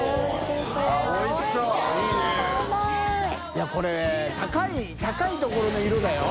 いこれ高いところの色だよ。